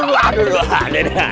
aduh aduh aduh aduh